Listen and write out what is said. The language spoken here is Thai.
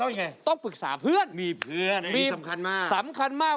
ต้องยังไงต้องปรึกษาเพื่อนมีเพื่อนสำคัญมาก